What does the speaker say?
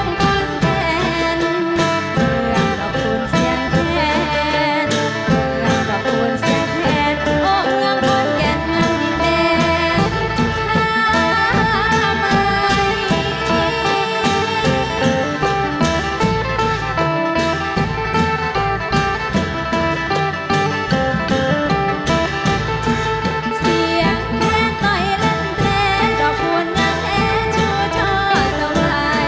เพื่อรักคุณเสียงแทนเพื่อรักคุณเสียงแทนเพื่อรักคุณเสียงแทนโอ้รักคุณแทนมันแทนท่ามานี้